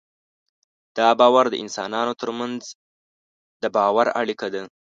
دا باور د انسانانو تر منځ د باور اړیکه ده.